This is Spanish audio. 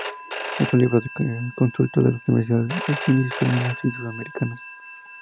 Es un libro de consulta de las universidades de cine españolas y sudamericanas.